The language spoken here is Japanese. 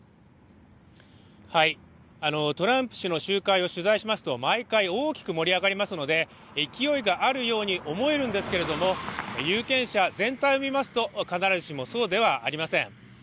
トランプ氏の集会を取材しますと毎回、大きく盛り上がりますので勢いがあるように思えるんですけれども、有権者全体を見ますと必ずしもそうではありません。